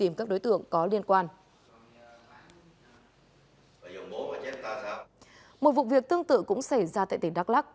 một vụ việc tương tự cũng xảy ra tại tỉnh đắk lắc